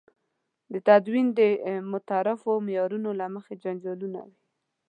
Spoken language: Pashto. د تدین د متعارفو معیارونو له مخې جنجالونه وي.